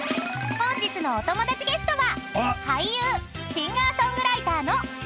［本日のお友達ゲストは］